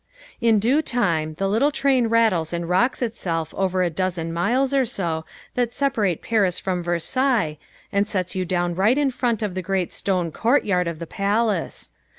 In due time the little train rattles and rocks itself over the dozen miles or so that separate Paris from Versailles, and sets you down right in front of the great stone court yard of the palace.